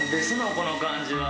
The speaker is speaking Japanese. この感じは。